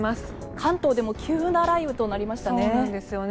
関東でも急な雷雨となりましたね。